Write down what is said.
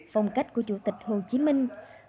phong cách của chủ tịch hồ chí minh